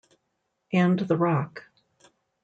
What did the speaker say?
And the rock.